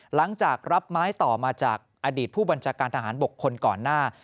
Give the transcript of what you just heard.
หลังจากรับไม้ต่อมาจากอดีตผู้บัญชาการทหารบกคนก่อนหน้า